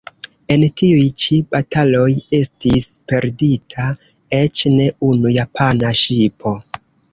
En tiuj ĉi bataloj estis perdita eĉ ne unu japana ŝipo.